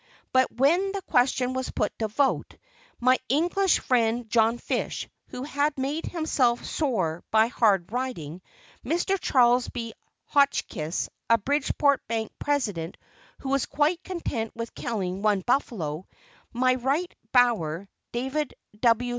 But when the question was put to vote, my English friend, John Fish, who had made himself sore by hard riding; Mr. Charles B. Hotchkiss, a Bridgeport bank president, who was quite content with killing one buffalo; my right bower, David W.